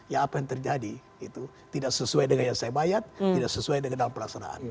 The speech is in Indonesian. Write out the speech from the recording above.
ya apa yang terjadi itu tidak sesuai dengan yang saya bayar tidak sesuai dengan dalam pelaksanaan